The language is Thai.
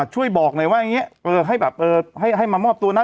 ช่วยบอกหน่อยว่าอย่างนี้ให้มามอบตัวนั้น